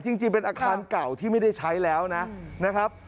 จริงเป็นอาคารเก่าที่ไม่ได้ใช้แล้วนะครับ